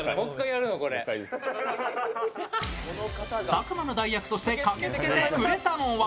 佐久間の代役として駆けつけてくれたのは